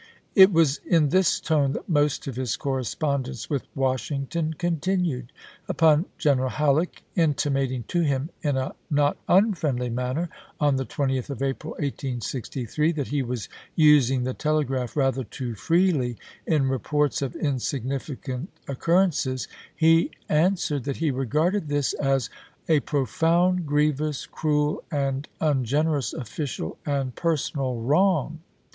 It was in this tone that most of his correspondence with Washington continued. Upon General Halleck in timating to him, in a not unfriendly manner, on the 20th of April, 1863, that he was using the telegraph rather too freely in reports of insignificant occur rences, he answered that he regarded this as "a profound, gi*ievous, cruel, and ungenerous official and personal wrong.